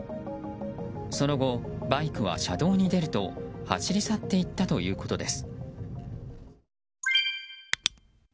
その後、バイクは車道に出ると走り去っていったということです。